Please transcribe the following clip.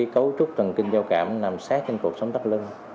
cấu trúc thần kinh giao cảm nằm sát trên cuộc sống tắt lưng